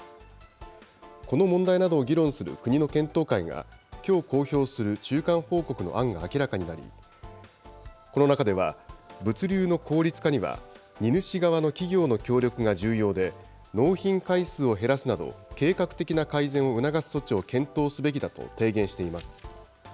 この問題などを議論する国の検討会が、きょう公表する中間報告の案が明らかになり、この中では、物流の効率化には荷主側の企業の協力が重要で、納品回数を減らすなど、計画的な改善を促す措置を検討すべきだと提言しています。